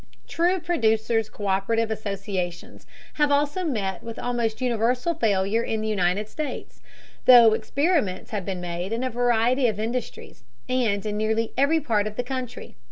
True producers' co÷perative associations have also met with almost universal failure in the United States, though experiments have been made in a variety of industries, and in nearly every part of the country.